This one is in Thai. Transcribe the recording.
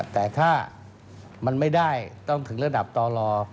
แต่ถ้ามันไม่ได้ต้องถึงระดับต่อรอ